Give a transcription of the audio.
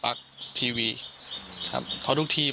ฟังเสียงลูกจ้างรัฐตรเนธค่ะ